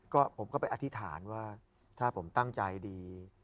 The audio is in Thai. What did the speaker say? ก็ผมก็ไปอธิษฐานว่าถ้าผมตั้งใจดี